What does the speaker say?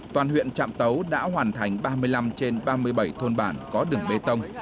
toàn huyện trạm tấu đã hoàn thành ba mươi năm trên ba mươi bảy thôn bản có đường bê tông